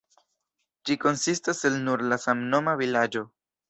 Ĝi konsistas el nur la samnoma vilaĝo.